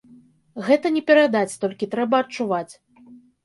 Гэта не перадаць, толькі трэба адчуваць.